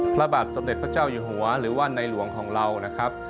พระบาทสมเด็จพระเจ้าอยู่หัวหรือว่าในหลวงของเรานะครับ